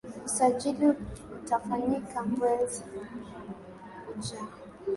Usajili utafanyika mwezi ujao